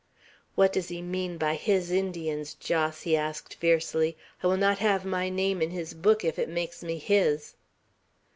"What does he mean by his Indians, Jos?" he asked fiercely. "I will not have my name in his book if it makes me his."